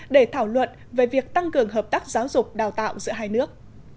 để thảo luận về việc tăng cường hợp tác giáo dục đào tạo giữa hai nước